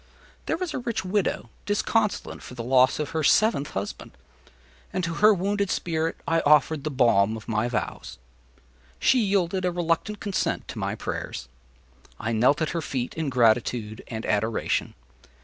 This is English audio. There was a rich widow disconsolate for the loss of her seventh husband, and to her wounded spirit I offered the balm of my vows. She yielded a reluctant consent to my prayers. I knelt at her feet in gratitude and adoration.